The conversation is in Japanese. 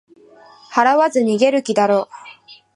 払わず逃げる気だろう